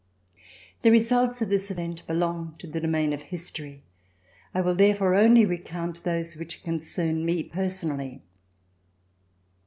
The results of this event belong to the domain of history. I will therefore only recount those which concern me personally.